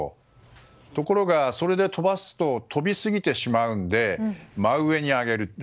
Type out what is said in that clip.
ところが、それで飛ばすと飛びすぎてしまうので真上に上げる。